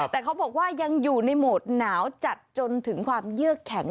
แต่เขาบอกว่ายังอยู่ในโหมดหนาวจัดจนถึงความเยื่อแข็ง